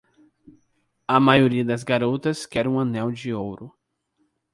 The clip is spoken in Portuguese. A maioria das garotas quer um anel de ouro.